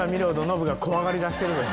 ノブが怖がりだしてるで。